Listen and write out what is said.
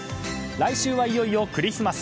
来週はいよいよクリスマス。